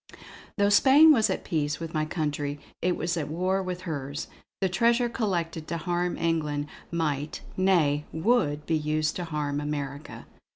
Though Spain was at peace with my country, it was at war with hers; the treasure collected to harm England might nay, would be used to harm America.